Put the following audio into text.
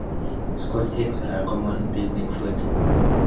Scotch eggs are a common picnic food.